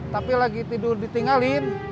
tapi lagi tidur ditinggalin